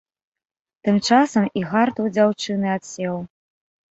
Тым часам і гарт у дзяўчыны адсеў.